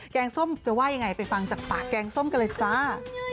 งส้มจะว่ายังไงไปฟังจากปากแกงส้มกันเลยจ้า